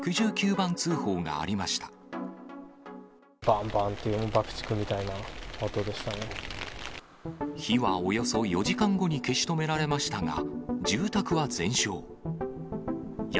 ばんばんという、爆竹みたい火はおよそ４時間後に消し止められましたが、住宅は全焼。